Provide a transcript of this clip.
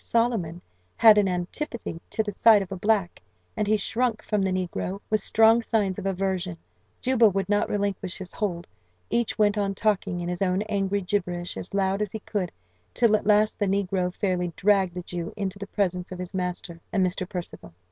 Solomon had an antipathy to the sight of a black, and he shrunk from the negro with strong signs of aversion. Juba would not relinquish his hold; each went on talking in his own angry gibberish as loud as he could, till at last the negro fairly dragged the Jew into the presence of his master and Mr. Percival.